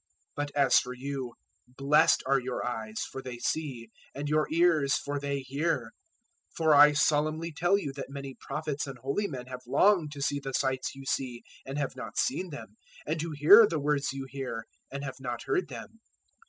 013:016 "But as for you, blessed are your eyes, for they see, and your ears, for they hear. 013:017 For I solemnly tell you that many Prophets and holy men have longed to see the sights you see, and have not seen them, and to hear the words you hear, and have not heard them.